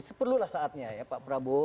seperlulah saatnya ya pak prabowo